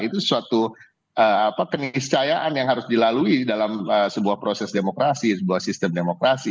itu suatu keniscayaan yang harus dilalui dalam sebuah proses demokrasi sebuah sistem demokrasi